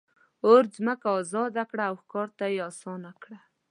اور ځمکه آزاده کړه او ښکار ته یې آسانه کړه.